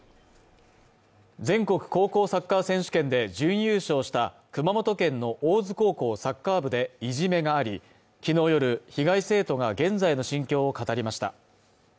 全国高校サッカー選手権で準優勝した熊本県の大津高校サッカー部でいじめがあり昨日夜被害生徒が現在の心境を語りました